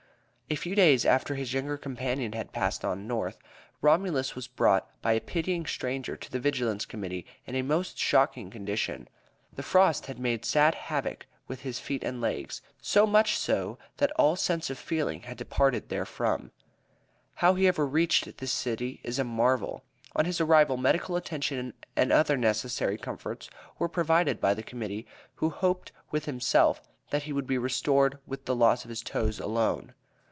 A few days after his younger companion had passed on North, Romulus was brought by a pitying stranger to the Vigilance Committee, in a most shocking condition. The frost had made sad havoc with his feet and legs, so much so that all sense of feeling had departed therefrom. [Illustration: DEATH OF ROMULUS HALL.] How he ever reached this city is a marvel. On his arrival medical attention and other necessary comforts were provided by the Committee, who hoped with himself, that he would be restored with the loss of his toes alone.